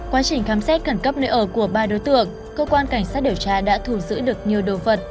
quá trình khám xét khẩn cấp nơi ở của ba đối tượng cơ quan cảnh sát điều tra đã thu giữ được nhiều đồ vật